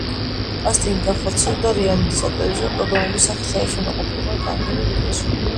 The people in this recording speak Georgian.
კასტინგი განხორციელდა რეალითი სატელევიზიო პროგრამის სახით, სადაც უნდა ყოფილიყვნენ კანგინი და ჰეჩული.